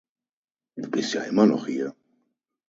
Du bist ja immer noch hier.